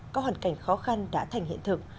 có hoàn cảnh khó khăn đã thành hiện thực